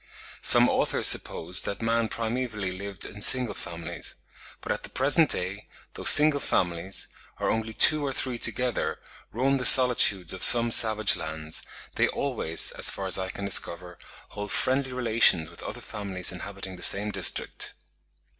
Some authors suppose that man primevally lived in single families; but at the present day, though single families, or only two or three together, roam the solitudes of some savage lands, they always, as far as I can discover, hold friendly relations with other families inhabiting the same district.